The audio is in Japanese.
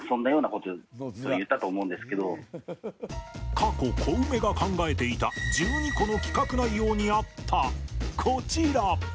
過去、コウメが考えていた１２個の企画内容にあったこちら。